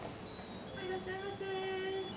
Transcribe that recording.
いらっしゃいませ。